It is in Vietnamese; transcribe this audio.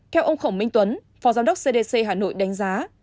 theo ông khổng minh tuấn phó giám đốc cdc hà nội đánh giá